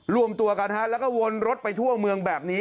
รวมตัวกันแล้วก็วนรถไปทั่วเมืองแบบนี้